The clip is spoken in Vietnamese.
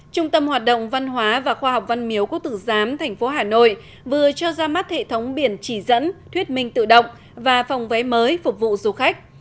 trung tâm hoạt động văn hóa và khoa học văn miếu quốc tử giám thành phố hà nội vừa cho ra mắt hệ thống biển chỉ dẫn thuyết minh tự động và phòng vé mới phục vụ du khách